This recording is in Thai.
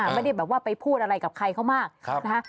ไม่ได้แบบว่าไปพูดอะไรกับใครเขามากนะคะ